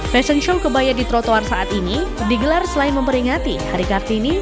fashion show kebaya di trotoar saat ini digelar selain memperingati hari kartini